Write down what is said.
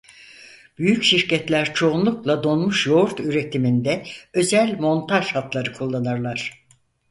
Büyük şirketler çoğunlukla donmuş yoğurt üretiminde özel montaj hatları kullanırlar.